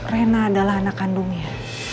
rena adalah anak kandungnya